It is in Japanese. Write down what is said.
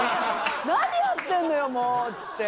「何やってんのよもう！」っつって。